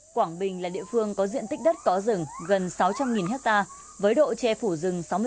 ở quảng bình là địa phương có diện tích đất có rừng gần sáu trăm linh hecta với độ che phủ rừng sáu mươi bảy bốn